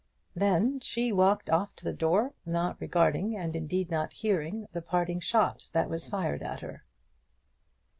Then she walked off to the door, not regarding, and indeed not hearing, the parting shot that was fired at her.